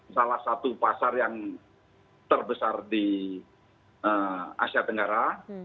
salah satu pasar yang terbesar di asia tenggara